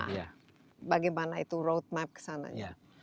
nah bagaimana itu roadmap kesananya